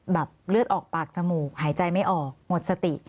แบบเลือดออกปากจมูกหายใจไม่ออกหมดสติ